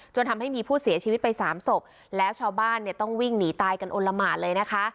จนทำให้มีผู้เสียชีวิตไปสามศพแล้วชาวบ้านเนี่ยต้องวิ่งหนีตายกันอลละหมาดเลยนะคะ